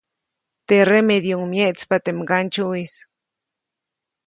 Teʼ remedyuʼuŋ myeʼtspa teʼ mgandsyuʼis.